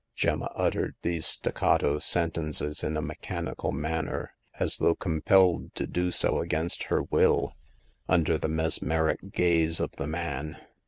Gemma uttered these staccato sentences in a 122 Hagar of the Pawn Shop. mechanical manner, as though compelled to do so against her will, under the mesmeric gaze of the man.